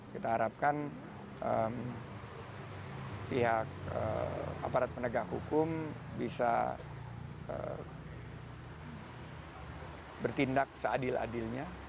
kita harapkan pihak aparat penegak hukum bisa bertindak seadil adilnya